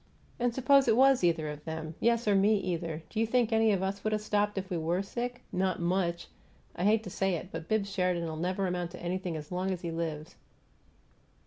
And suppose it was either of them yes, or me, either do you think any of us would have stopped if we WERE sick? Not much! I hate to say it, but Bibbs Sheridan'll never amount to anything as long as he lives."